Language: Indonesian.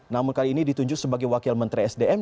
namun kali ini ditunjuk sebagai wakil menteri sdm